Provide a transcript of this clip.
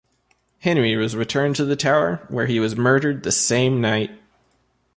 Henry was returned to the Tower, where he was murdered the same night.